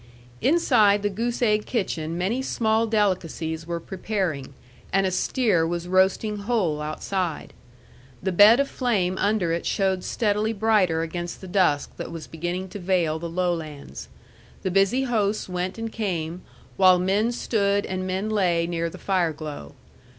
Inside the Goose Egg kitchen many small delicacies were preparing, and a steer was roasting whole outside. The bed of flame under it showed steadily brighter against the dusk that was beginning to veil the lowlands. The busy hosts went and came, while men stood and men lay near the fire glow.